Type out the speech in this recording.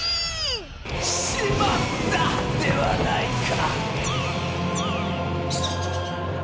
「しまった！」ではないか！